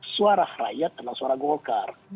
suara rakyat adalah suara golkar